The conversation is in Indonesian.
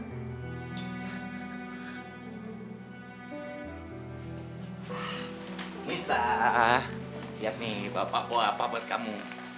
nisa lihat nih bapak bawa apa buat kamu